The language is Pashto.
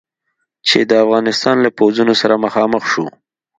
چې د افغانستان له پوځونو سره مخامخ شو.